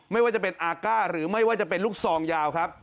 ไม่ว่าจะเป็นอาก้าหรือไม่ว่าจะเป็นลูกซองยาวครับ